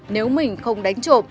nếu mình không đánh trộm